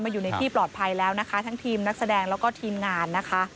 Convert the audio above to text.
อยู่ในที่ปลอดภัยแล้วนะคะทั้งทีมนักแสดงแล้วก็ทีมงานนะคะ